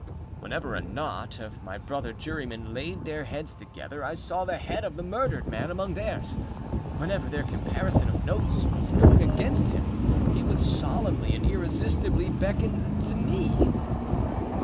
Whenever a knot of my brother jurymen laid their heads together, I saw the head of the murdered man among theirs. Whenever their comparison of notes was going against him, he would solemnly and irresistibly beckon to me.